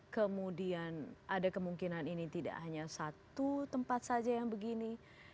kemudian ada kemungkinan ini tidak hanya satu tempat saja yang begini